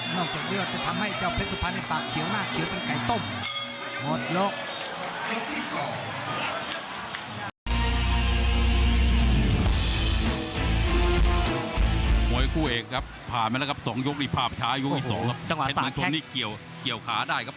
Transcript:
นอกจากเดือดจะทำให้เจ้าเพชรสุภัณฑ์ในปากเขียวหน้าเขียวเป็นไก่ต้ม